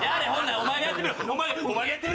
お前がやってみろ！